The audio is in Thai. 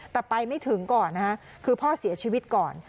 แต่ไปไม่ถึงก่อนนะคะคือพ่อเสียชีวิตก่อน